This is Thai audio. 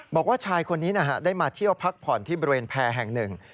บอกว่าชายคนนี้ได้มาเที่ยวพักผ่อนที่บริเวณแพร่แห่งหนึ่ง